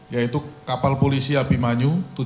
yaitu kapal perubatan